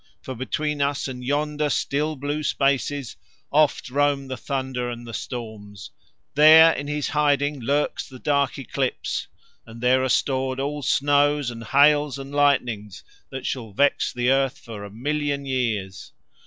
For between us and yonder still blue spaces oft roam the thunder and the storms, there in his hiding lurks the dark eclipse, and there are stored all snows and hails and lightnings that shall vex the earth for a million years.